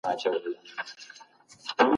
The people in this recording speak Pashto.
د انسان منطق هغه ته د پرېکړي واک ورکوي.